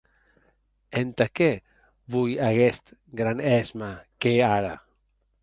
Entà qué voi aguest gran èsme qu’è ara?